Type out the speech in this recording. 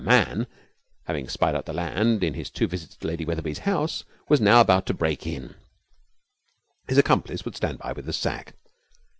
The Man, having spied out the land in his two visits to Lady Wetherby's house, was now about to break in. His accomplice would stand by with the sack.